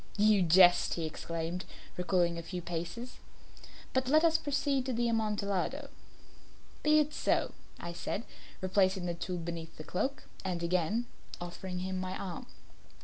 "You jest," he exclaimed, recoiling a few paces. "But let us proceed to the Amontillado." "Be it so," I said, replacing the tool beneath the cloak and again offering him my arm.